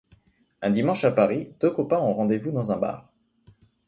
Un dimanche à Paris, deux copains ont rendez-vous dans un bar.